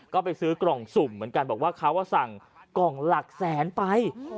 ก็ไปซื้อกล่องสุ่มเหมือนกันบอกว่าเขาสั่งกล่องหลักแสนไป